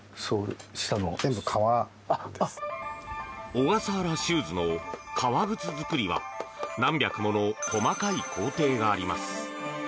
小笠原シューズの革靴作りは何百もの細かい工程があります。